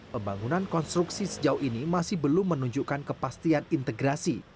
pembangunan konstruksi sejauh ini masih belum menunjukkan kepastian integrasi